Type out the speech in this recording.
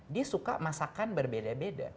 dia suka masakan berbeda beda